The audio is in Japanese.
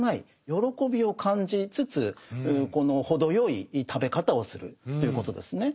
喜びを感じつつこの程よい食べ方をするということですね。